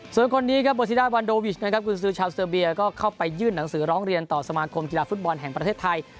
ส่วนคนนี้ครับโบซิดาวันโดวิชนะครับคุณซื้อชาวเซอร์เบียก็เข้าไปยื่นหนังสือร้องเรียนต่อสมาคมกีฬาฟุตบอลแห่งประเทศไทย